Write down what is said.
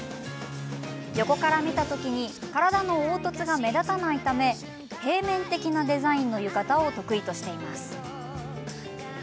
横から見た時に体の凹凸が目立たないため平面的なデザインの浴衣を得意としています。